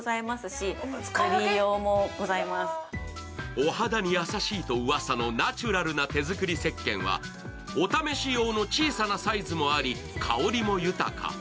お肌に優しいと噂のナチュラルな手づくりせっけんは、お試し用の小さなサイズもあり、香りも豊か。